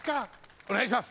お願いします。